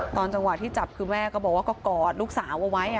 จังหวะที่จับคือแม่ก็บอกว่าก็กอดลูกสาวเอาไว้